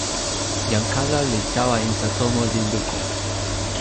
jan kala li tawa insa tomo, li lukin